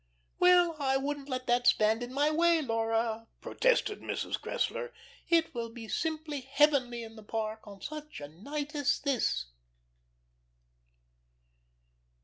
"Well, I wouldn't let that stand in my way, Laura," protested Mrs. Cressler. "It will be simply heavenly in the Park on such a night as this."